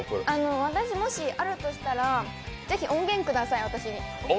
私、もしあるとしたらぜひ私に音源ください。